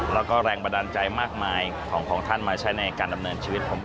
แล้วก็แรงบันดาลใจมากมายของท่านมาใช้ในการดำเนินชีวิตของผม